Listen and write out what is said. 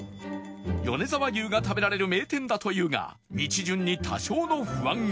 米沢牛が食べられる名店だというが道順に多少の不安が